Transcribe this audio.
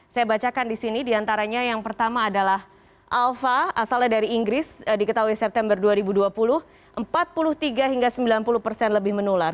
saya bacakan di sini diantaranya yang pertama adalah alpha asalnya dari inggris diketahui september dua ribu dua puluh empat puluh tiga hingga sembilan puluh persen lebih menular